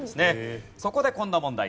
そこでこんな問題です。